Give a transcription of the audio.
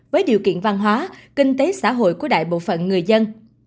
với điều kiện văn hóa kinh tế xã hội của đại bộ phận người dân